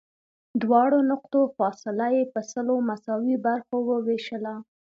دواړو نقطو فاصله یې په سلو مساوي برخو ووېشله.